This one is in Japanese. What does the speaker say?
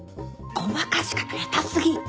ごまかし方下手過ぎ。